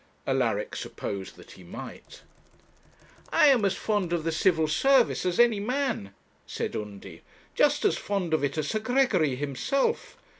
Alaric supposed that he might. 'I am as fond of the Civil Service as any man,' said Undy; 'just as fond of it as Sir Gregory himself.